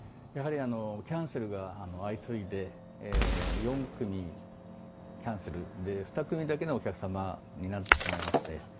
やはりキャンセルがあの相次いで４組キャンセル２組だけのお客さまになってしまいまして。